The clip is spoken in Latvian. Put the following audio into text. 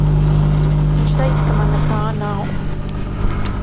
Viņš teiks, ka man nekā nav.